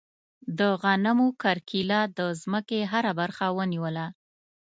د غنمو کرکیله د ځمکې هره برخه ونیوله.